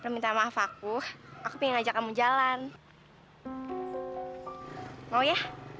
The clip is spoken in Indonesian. minta maaf aku aku ngajak kamu jalan mau ya